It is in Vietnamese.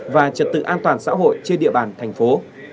và trật tự an toàn xã hội trên địa bàn thành phố